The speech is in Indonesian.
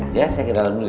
saya ke dalam dulu ya